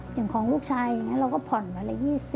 อย่างของลูกชายอย่างนี้เราก็ผ่อนวันละ๒๐